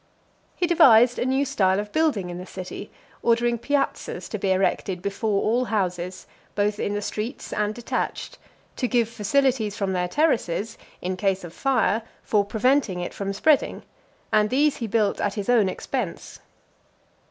XVI. He devised a new style of building in the city, ordering piazzas to be erected before all houses, both in the streets and detached, to give facilities from their terraces, in case of fire, for preventing it from spreading; and these he built at his own expense.